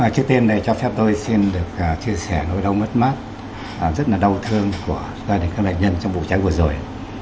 trước tiên này cho phép tôi xin được chia sẻ nỗi đau mất mát rất là đau thương của gia đình các nạn nhân trong vụ cháy vừa rồi